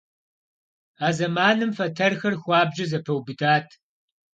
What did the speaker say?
А зэманым фэтэрхэр хуабжьу зэпэубыдат.